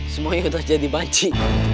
semuanya terjadi baji